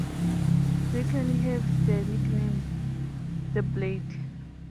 Szekely have the nickname The Blade.